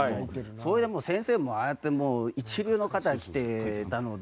それ、先生もああやって一流の方が来てくれたので。